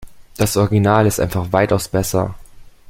Das Original ist einfach weitaus besser.